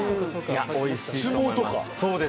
相撲とか。